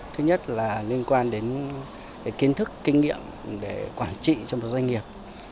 thứ nhất là liên quan đến kiến thức kinh nghiệm để quản trị cho một doanh nghiệp